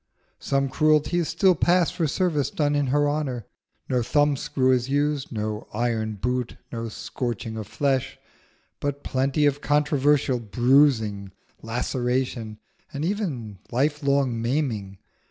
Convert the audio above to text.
Some cruelties still pass for service done in her honour: no thumb screw is used, no iron boot, no scorching of flesh; but plenty of controversial bruising, laceration, and even lifelong maiming.